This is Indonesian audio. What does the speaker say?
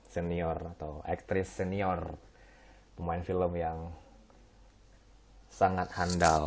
senior atau aktris senior pemain film yang sangat handal